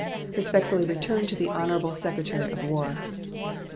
Respectfully returned to the honorable the Secretary of War.